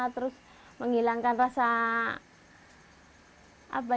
terus menghilangkan rasa sakit saya